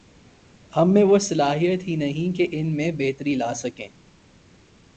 ہم میں وہ صلاحیت ہی نہیں کہ ان میں بہتری لا سکیں۔